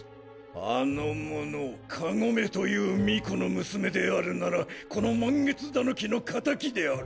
あの者かごめという巫女の娘であるならこの満月狸の仇である。